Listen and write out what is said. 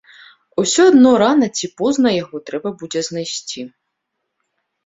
Усё адно рана ці позна яго трэба будзе знайсці.